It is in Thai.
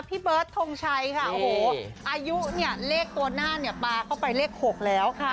พี่เบิร์ดทงชัยค่ะโอ้โหอายุเนี่ยเลขตัวหน้าเนี่ยปลาเข้าไปเลข๖แล้วค่ะ